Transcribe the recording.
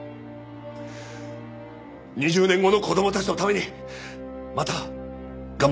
２０年後の子供たちのためにまた頑張ってみようと思います。